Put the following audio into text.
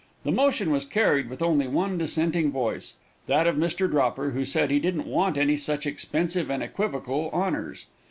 The motion was carried with only one dissenting voice that of Mr. Dropper, who said he didn't want any such expensive and equivocal honors.